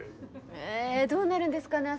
えぇどうなるんですかね？